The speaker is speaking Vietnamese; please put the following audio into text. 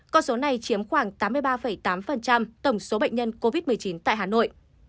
con số này chiếm khoảng tám mươi ba tám tổng số bệnh nhân covid một mươi chín tại hà nội